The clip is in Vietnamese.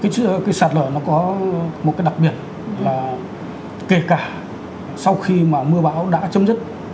chứ cái sạt lở nó có một cái đặc biệt là kể cả sau khi mà mưa bão đã chấm dứt